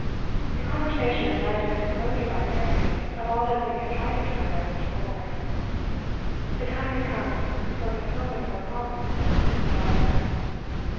The conversation led to a disclosure by Mary of all that had been confided to her by Mr. Lord; the time had come for a fulfilment of her promise to the dead man.